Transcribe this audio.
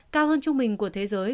cao hơn trung bình của thế giới một